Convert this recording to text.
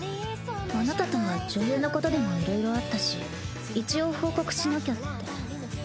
あなたとは女優のことでもいろいろあったし一応報告しなきゃって。